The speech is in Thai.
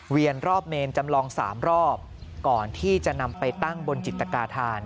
รอบเมนจำลอง๓รอบก่อนที่จะนำไปตั้งบนจิตกาธาน